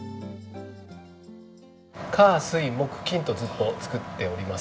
火水木金とずっと作っております。